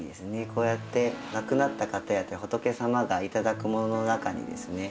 こうやって亡くなった方や仏様が頂くものの中にですね